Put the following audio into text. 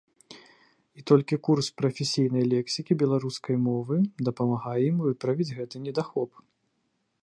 І толькі курс прафесійнай лексікі беларускай мовы дапамагае ім выправіць гэты недахоп.